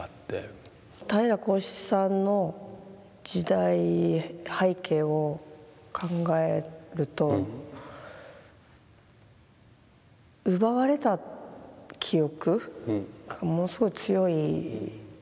平良孝七さんの時代背景を考えると奪われた記憶がものすごい強い。